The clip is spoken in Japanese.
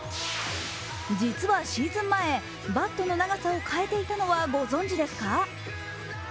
実はシーズン前、バットの長さを変えていたのはご存じですか？